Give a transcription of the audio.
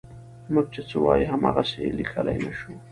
موږ چې څه وایو هماغسې یې لیکلی نه شو.